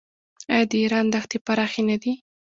آیا د ایران دښتې پراخې نه دي؟